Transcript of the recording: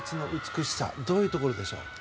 どういうところでしょう？